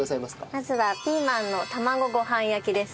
まずはピーマンの卵ごはん焼きです。